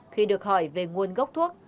khi được hỏi về nguồn gốc thuốc